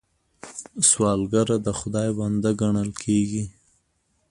سوالګر د خدای بنده ګڼل کېږي